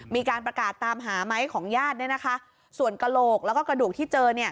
มีการประกาศตามหาไหมของญาติเนี้ยนะคะส่วนกระโหลกแล้วก็กระดูกที่เจอเนี้ย